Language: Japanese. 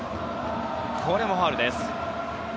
これもファウルです。